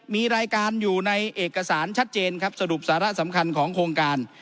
มีรายการอยู่ในเอกสารชัดเจนครับสรุปสาระสำคัญของโครงการ